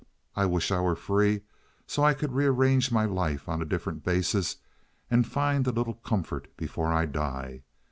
I wish I were free so I could rearrange my life on a different basis and find a little comfort before I die.